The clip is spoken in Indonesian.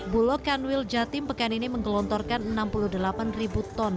buloh kanwil jatim pekan ini menggelontorkan rp enam puluh delapan ton